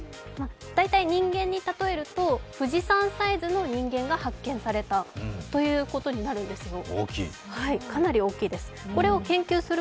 大体、人間に例えると富士山サイズの人間が発見されたということになるんですよ。